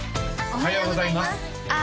おはようございますああ